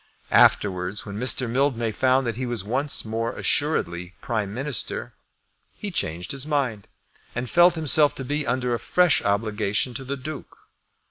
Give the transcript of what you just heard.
Afterwards, when Mr. Mildmay found that he was once more assuredly Prime Minister, he changed his mind, and felt himself to be under a fresh obligation to the Duke.